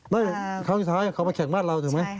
ไม่คราวที่สุดขอเขามาแข่งบ้านเราฉันเลยหมี